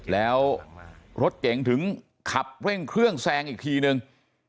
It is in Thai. แล้วรถเก่งถึงขับเร่งเครื่องแซงอีกทีนึง